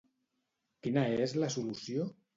Quina és la solució?